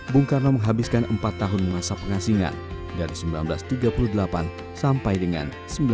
bung karno menghabiskan empat tahun masa pengasingan dari seribu sembilan ratus tiga puluh delapan sampai dengan seribu sembilan ratus sembilan puluh